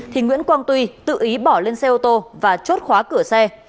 thì nguyễn quang tuy tự ý bỏ lên xe ô tô và chốt khóa cửa xe